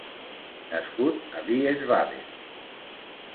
Nascut a Wiesbaden.